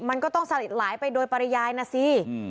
มันก็ต้องสลิดหลายไปโดยปริยายนะสิ